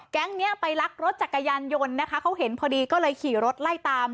แก๊งนี้ไปลักรถจักรยานยนต์นะคะเขาเห็นพอดีก็เลยขี่รถไล่ตาม